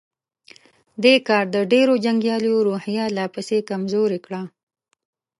دې کار د ډېرو جنګياليو روحيه لا پسې کمزورې کړه.